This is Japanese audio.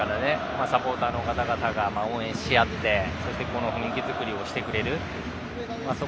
めちゃくちゃ試合前からサポーターの方々が応援し合って雰囲気づくりをしてくれる。